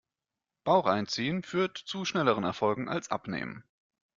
Bauch einziehen führt zu schnelleren Erfolgen als Abnehmen.